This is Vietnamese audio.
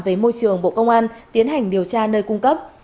về môi trường bộ công an tiến hành điều tra nơi cung cấp